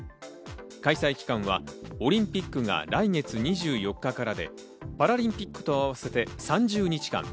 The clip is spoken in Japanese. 開催期間はオリンピックが来月２４日からで、パラリンピックと合わせて３０日間。